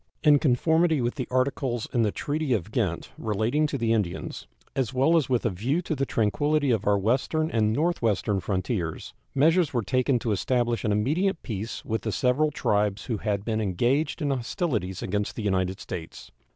In conformity with the articles in the treaty of Ghent relating to the Indians, as well as with a view to the tranquillity of our western and northwestern frontiers, measures were taken to establish an immediate peace with the several tribes who had been engaged in hostilities against the United States.